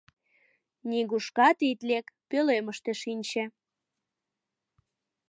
Нигушкат ит лек, пӧлемыште шинче!»